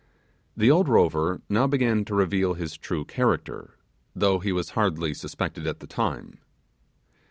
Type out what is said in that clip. The old rover now began to reveal his true character, though he was hardly suspected at the time.